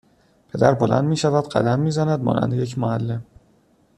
پدر بلند میشود قدم میزند مانند یک معلم